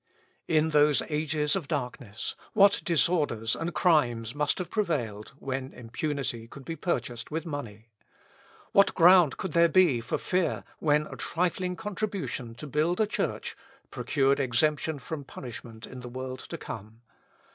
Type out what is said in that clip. In those ages of darkness, what disorders and crimes must have prevailed when impunity could be purchased with money! What ground could there be for fear when a trifling contribution to build a church procured exemption from punishment in the world to come!